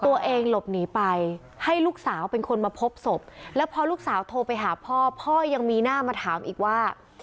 ตัวเองหลบหนีไปให้ลูกสาวเป็นคนมาพบศพแล้วพอลูกสาวโทรไปหาพ่อพ่อยังมีหน้ามาถามอีกว่า